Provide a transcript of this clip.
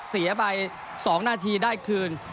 เสียไป๒นาทีได้คืน